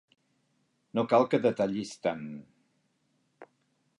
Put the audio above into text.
No cal que detallis tant.